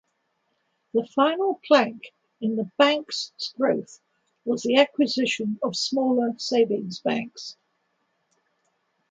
The final plank in the Bank’s growth was the acquisition of smaller savings banks.